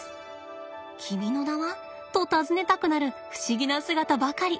君の名は？と尋ねたくなる不思議な姿ばかり。